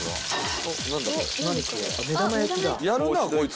やるなこいつ。